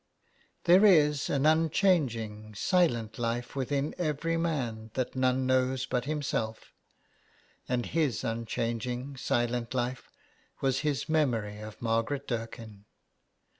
There is an unchanging, silent life within every man that none knows but himself, and his unchanging, silent life was his memory of Margaret Dirken.